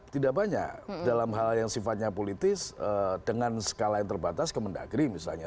tidak banyak dalam hal yang sifatnya politis dengan skala yang terbatas ke mendagri misalnya